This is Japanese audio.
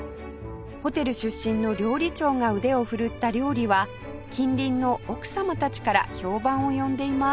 ホテル出身の料理長が腕を振るった料理は近隣の奥様たちから評判を呼んでいます